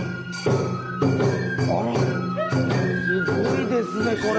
あらすごいですねこれ。